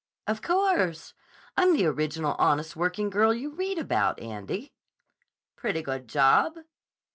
"Of course. I'm the original Honest Working Girl you read about, Andy." "Pretty good job?"